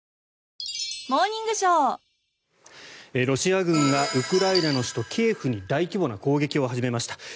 ロシア軍がウクライナの首都キエフに大規模な攻撃を始めました。